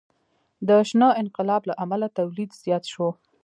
د شنه انقلاب له امله تولید زیات شو.